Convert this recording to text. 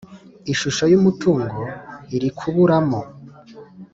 ishusho y’ umutungo irikuburamo.